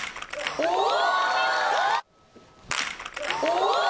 お！